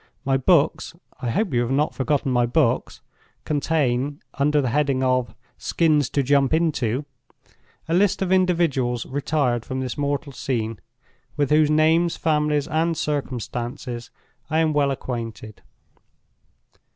My books—I hope you have not forgotten my Books?—contain, under the heading of Skins To Jump Into, a list of individuals retired from this mortal scene, with whose names, families, and circumstances I am well acquainted.